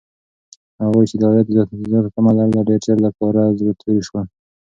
هغوی چې د عاید زیاته تمه لرله، ډېر ژر له کاره زړه توري شول.